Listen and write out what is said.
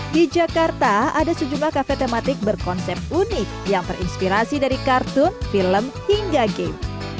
di jakarta ada sejumlah kafe tematik berkonsep unik yang terinspirasi dari kartun film hingga game